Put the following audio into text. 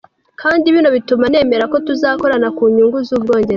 "Kandi bino bituma nemera ko tuzokorana ku nyungu z'Ubwongereza.